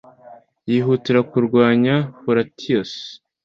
Yihutira kurwanya Horatius